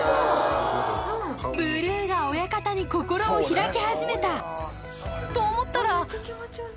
ブルーが親方に心を開き始めた。と思ったら。